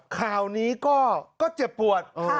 ข่าวนี้ก็เจ็บปวด